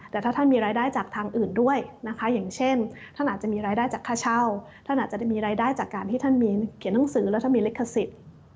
แต่ถ้าท่านมีรายได้จากทางอื่นด้วยนะคะอย่างเช่นท่านอาจจะมีรายได้จากค่าเช่าท่านอาจจะมีรายได้จากการที่ท่านมีเขียนหนังสือแล้วท่านมีลิขสิทธิ์